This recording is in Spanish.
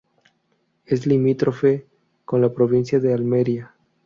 Es limítrofe con la provincia de Almería.